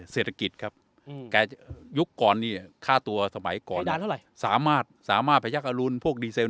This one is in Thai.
เศรษฐกิจครับแกยุคก่อนนี้ค่าตัวสมัยก่อนแล้วล่ะสามารถสามารถไฟจักรอรุนพวกดีเซลน้อย